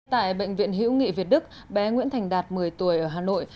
tại bệnh viện hiễu nghị việt đức bé nguyễn thành đạt một mươi tuổi ở hà nội